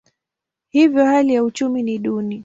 Hivyo hali ya uchumi ni duni.